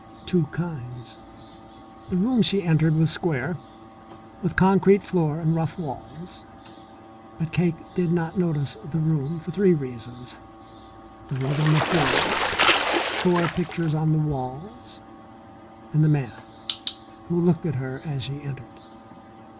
Two kinds. The room she entered was square, with concrete floor and rough walls. But Cake did not notice the room for three reasons: The rug on the floor, four pictures on the walls, and the man who looked at her as she entered.